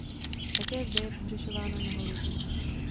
Také zde je pohřešováno mnoho lidí.